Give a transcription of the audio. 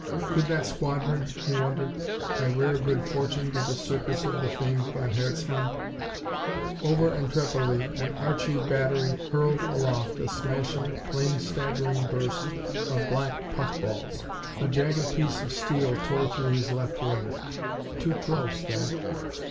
Could that squadron, he wondered, by rare good fortune be the Circus of the famed von Herzmann? Over Etrepilly an Archie battery hurled aloft a smashing, plane staggering burst of black puff balls. A jagged piece of steel tore through his left wing. Too close, that!